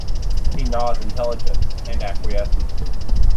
He nods intelligence, and acquiescence.